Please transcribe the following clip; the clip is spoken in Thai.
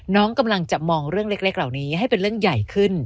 น้องกำลังจะมองเรื่องเล็กเหล่านี้ให้เป็นเรื่องใหญ่ขึ้น